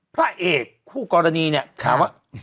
พระเอกคู่กรณีเนี่ยถามว่า